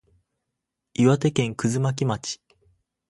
岩手県葛巻町